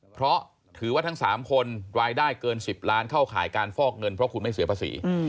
เพราะถือว่าทั้ง๓คนรายได้เกิน๑๐ล้านเข้าข่ายการฟอกเงินเพราะคุณไม่เสียภาษี